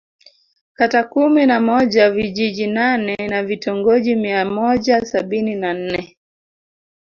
Kata kumi na moja vijiji nane na vitongoji mia moja sabini na nne